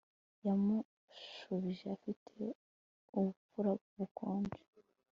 Yamushubije afite ubupfura bukonje